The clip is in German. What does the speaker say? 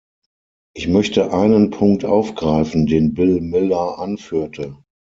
Ich möchte einen Punkt aufgreifen, den Bill Miller anführte.